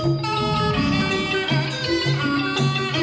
โอเคครับ